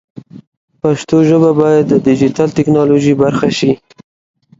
پښتو ژبه باید د ډیجیټل ټکنالوژۍ برخه شي.